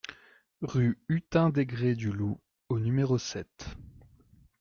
Rue Hutin Desgrees du Lou au numéro sept